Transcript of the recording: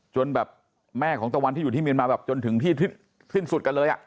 จนแบบแม่ของตะวันที่อยู่ที่เมียนมาแบบจนถึงที่สิ้นสุดกันเลย